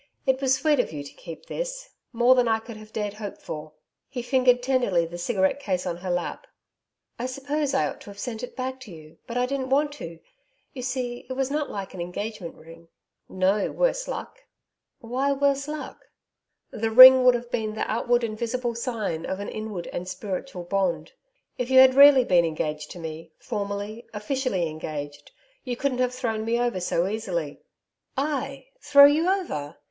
It was sweet of you to keep this more than I could have dared hope for.' He fingered tenderly the cigarette case on her lap. 'I suppose I ought to have sent it back to you. But I didn't want to. You see it was not like an engagement ring.' 'No, worse luck.' 'Why, worse luck?' 'The ring would have been the outward and visible sign of an inward and spiritual bond. If you had been really engaged to me formally, officially engaged, you couldn't have thrown me over so easily.' 'I throw you over!